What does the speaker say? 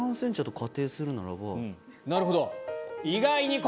なるほど。